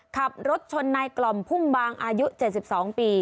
ขับรถชนนายกล่อมพุ่มบางอายุ๗๒ปี